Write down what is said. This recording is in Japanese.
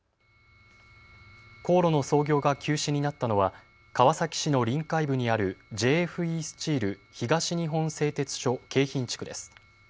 高炉の操業が休止になったのは川崎市の臨海部にあるＪＦＥスチール東日本製鉄所京浜地区です。